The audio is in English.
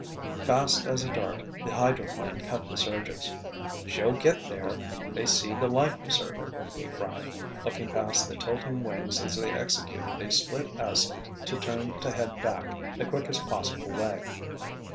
Fast as a dart the hydroplane cut the surges. "She'll get there—they see the life preserver!" he cried, looking past the tilting wing as they executed a split S to turn to head back the quickest possible way.